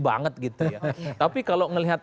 banget gitu ya tapi kalau ngelihat